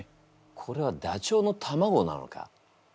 これはダチョウの卵なのか。